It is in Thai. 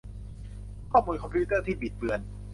ข้อมูลคอมพิวเตอร์ที่บิดเบือน